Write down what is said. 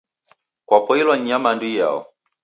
Kwapoilwa ni nyamandu iyao?